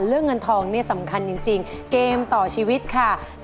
เงินทองเนี่ยสำคัญจริงเกมต่อชีวิตค่ะ